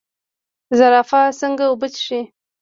زرافه څنګه اوبه څښي؟